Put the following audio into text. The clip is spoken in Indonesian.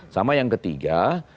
sama yang ketiga